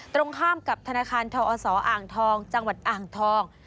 ตรงข้ามกับธนาคารทอศอ่างทองจังหวัดอ่างทอง